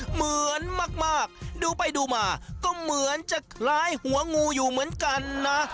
เหมือนมากดูไปดูมาก็เหมือนจะคล้ายหัวงูอยู่เหมือนกันนะ